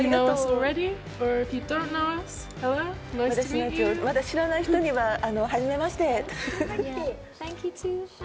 まだ知らない人には、はじめまして。